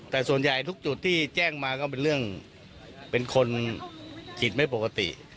แต่ส่วนใหญ่ทุกจุดที่แจ้งมาก็เป็นเรื่องเป็นคนจิตไม่ปกติ